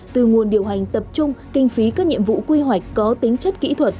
từ nguồn điều hành tập trung kinh phí các nhiệm vụ quy hoạch có tính chất kỹ thuật